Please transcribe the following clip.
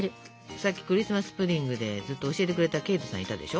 さっきクリスマス・プディングでずっと教えてくれたケイトさんいたでしょ。